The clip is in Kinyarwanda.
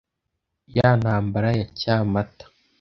ya ntambara ya cyamata